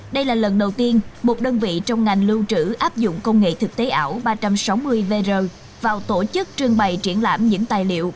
đây là lần đầu tiên một đơn vị trong ngành lưu trữ áp dụng công nghệ thực tế ảo ba trăm sáu mươi vr vào tổ chức trưng bày triển lãm những tài liệu